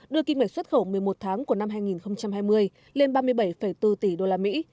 đưa kinh mệnh xuất khẩu một mươi một tháng của năm hai nghìn hai mươi lên ba mươi bảy bốn tỷ đô la mỹ